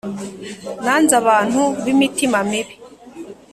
Nanze abantu b imitima mibi